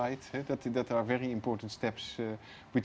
itu adalah langkah langkah yang sangat penting